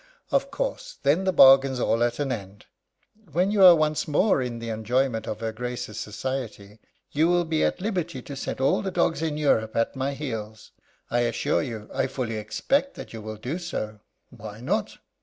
Of course, then the bargain's at an end. When you are once more in the enjoyment of her Grace's society, you will be at liberty to set all the dogs in Europe at my heels. I assure you I fully expect that you will do so why not?"